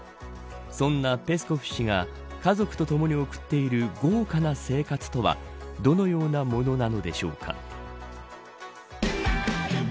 そんなペスコフ氏が家族とともに送っているごうかな生活とはどのようなものなのでしょうか。